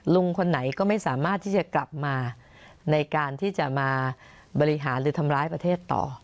ลุงคนไหนก็ไม่สามารถที่จะกลับมาในการที่จะมาบริหารหรือทำร้ายประเทศต่อ